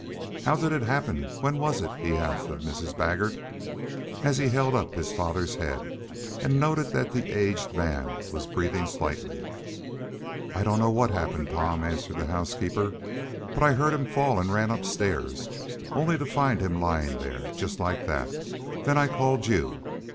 "How did it happen? When was it?" he asked of Mrs. Baggert, as he held up his father's head, and noted that the aged man was breathing slightly. "I don't know what happened, Tom," answered the housekeeper, "but I heard him fall, and ran upstairs, only to find him lying there, just like that. Then I called you.